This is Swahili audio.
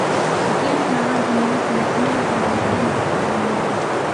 Tukianza na rangi nyeusi inasimama kwa namna gani katika bendera